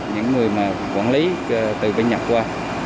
những người quản lý từ bên nhật qua